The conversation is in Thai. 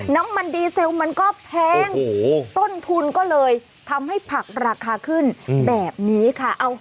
น้ำมันดีเซลมันก็แพงต้นทุนก็เลยทำให้ผักราคาขึ้นแบบนี้ค่ะ